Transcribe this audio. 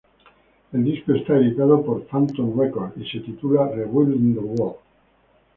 El disco está editado por Phantom Records y se titula "Re-building The Wall.